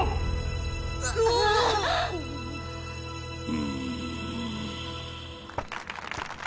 うん。